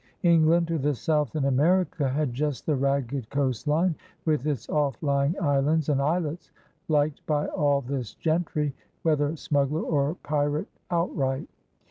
Eng land to the south in America had just the ragged coast line, with its off lying islands and islets, liked by all this gentry, whether smuggler or pirate out right.